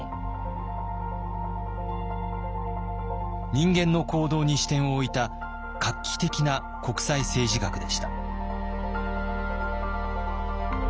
人間の行動に視点を置いた画期的な国際政治学でした。